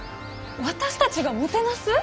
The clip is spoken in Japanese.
私たちがもてなす？